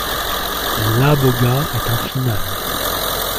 L’Âbhoga est un final.